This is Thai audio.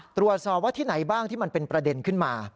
ตรวจสอบว่าที่ไหนบ้างที่มันเป็นประเด็นขึ้นมา